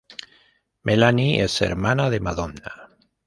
Melanie es hermana de Madonna.